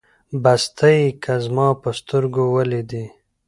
بس ته يې که زما په سترګو وليدې